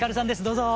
どうぞ！